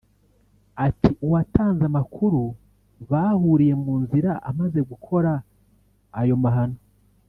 Ati “Uwatanze amakuru bahuriye mu nzira amaze gukora ayo mahano